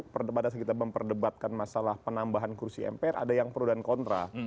perdebatan kita memperdebatkan masalah penambahan kursi mpr ada yang pro dan kontra